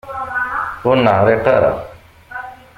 Ur neεriq ara.